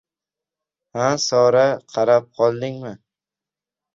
Ha, Sora, qarab qoldingmi?